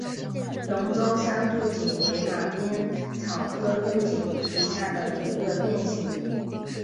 龙州山牡荆为马鞭草科牡荆属下的一个变型。